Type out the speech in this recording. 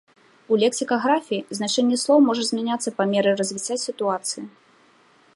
У лексікаграфіі значэнне слоў можа змяняцца па меры развіцця сітуацыі.